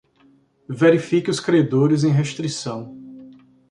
Verifique os credores em restrição.